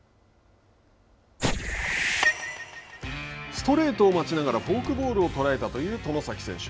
ストレートを待ちながらフォークボールを捉えたという外崎選手。